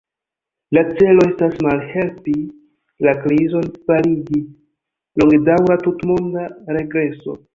Le celo estas malhelpi la krizon fariĝi longedaŭra tutmonda regreso.